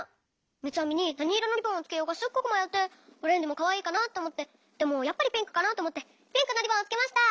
みつあみになにいろのリボンをつけようかすっごくまよってオレンジもかわいいかなっておもってでもやっぱりピンクかなっておもってピンクのリボンをつけました。